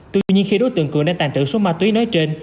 tuy nhiên khi đối tượng cường nên tàn trữ số ma túy nói trên